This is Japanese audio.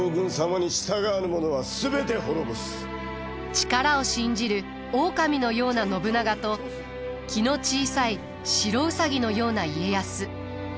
力を信じる狼のような信長と気の小さい白兎のような家康。